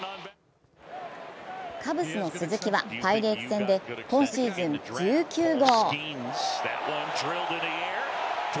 カブスの鈴木はパイレーツ戦で今シーズン１９号。